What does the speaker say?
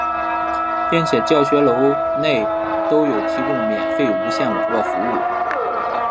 并且教学楼内都有提供免费无线网络服务。